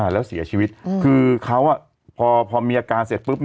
แล้วเสียชีวิตคือเขาพอมีอาการเสร็จปุ๊บ